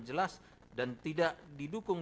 jelas dan tidak didukung